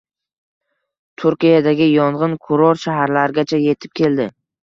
Turkiyadagi yong‘in kurort shaharlargacha yetib keldi